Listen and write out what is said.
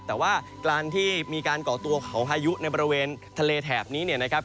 แต่ว่าการที่มีการก่อตัวของพายุในบริเวณทะเลแถบนี้เนี่ยนะครับ